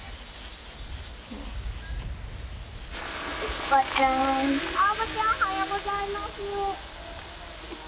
おばちゃんおはようございます。